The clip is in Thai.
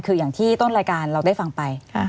คืออย่างที่ต้นรายการเราได้ฟังไป